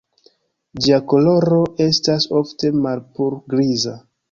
Ĝia koloro estas ofte malpur-griza.